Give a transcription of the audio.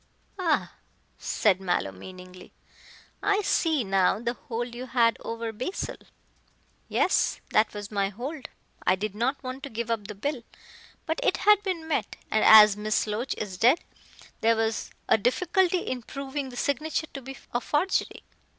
"Ah!" said Mallow meaningly, "I see now the hold you had over Basil." "Yes, that was my hold. I did not want to give up the bill. But it had been met, and as Miss Loach is dead, there was a difficulty in proving the signature to be a forgery.